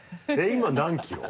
今何キロ？